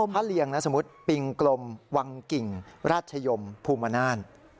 พระเลียงนะสมมุติปิงกลมวังกิ่งราชยมภูมินาน